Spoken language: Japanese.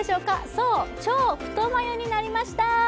そう、超太眉になりました。